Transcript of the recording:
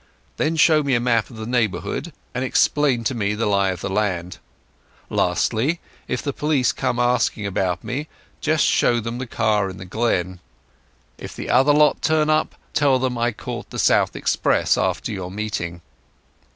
Then show me a map of the neighbourhood and explain to me the lie of the land. Lastly, if the police come seeking me, just show them the car in the glen. If the other lot turn up, tell them I caught the south express after your meeting."